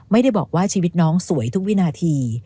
ไม่ได้บอกว่าชีวิตน้องสวยทุกวินาที